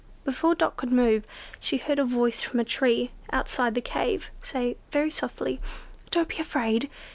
Before Dot could move, she heard a voice from a tree, outside the cave, say, very softly, "Don't be afraid!